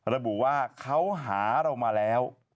ระบุว่าเขาหาเรามาแล้ว